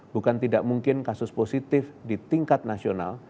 bukan tidak mungkin kasus positif di tingkat nasional